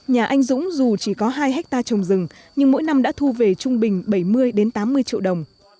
nhà anh dũng dù chỉ có hai hectare trồng rừng nhưng mỗi năm đã thu về trung bình bảy mươi tám mươi triệu đồng